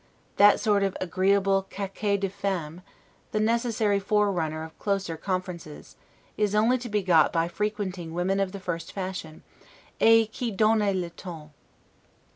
That sort of agreeable 'caquet de femmes', the necessary fore runners of closer conferences, is only to be got by frequenting women of the first fashion, 'et, qui donnent le ton'.